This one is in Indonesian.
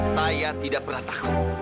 saya tidak pernah takut